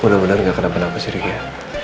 mudah mudahan nggak kena penampas diri ya